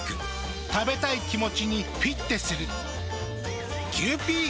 食べたい気持ちにフィッテする。